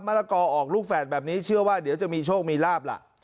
ละกอออกลูกแฝดแบบนี้เชื่อว่าเดี๋ยวจะมีโชคมีลาบล่ะ